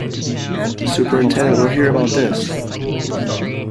The superintendent will hear about this.